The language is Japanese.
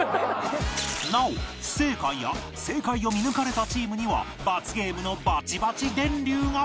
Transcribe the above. なお不正解や正解を見抜かれたチームには罰ゲームのバチバチ電流が